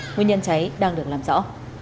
nguyên nhân cháy đang được làm rõ